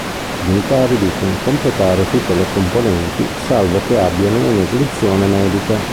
I militari dicono completare tutte le componenti salvo che abbiano un'esenzione medica.